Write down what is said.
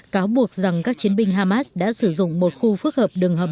cáo buộc rằng các chiến binh hamas đã sử dụng một khu phức hợp đường hầm